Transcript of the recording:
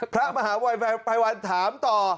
พระมหาภัยวันถามต่อ